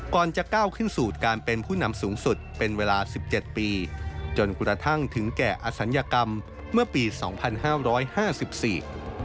จะก้าวขึ้นสู่การเป็นผู้นำสูงสุดเป็นเวลาสิบเจ็ดปีจนกระทั่งถึงแก่อศัลยกรรมเมื่อปีสองพันห้าร้อยห้าสิบสี่